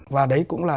và đấy cũng là